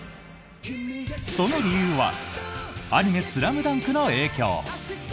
その理由はアニメ「ＳＬＡＭＤＵＮＫ」の影響。